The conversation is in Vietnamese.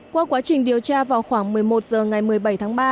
qua quá trình điều tra vào khoảng một mươi một h ngày một mươi bảy tháng ba